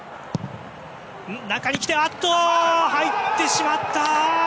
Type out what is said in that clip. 中に来てあっと、入ってしまった！